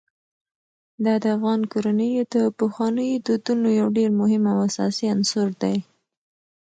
دا د افغان کورنیو د پخوانیو دودونو یو ډېر مهم او اساسي عنصر دی.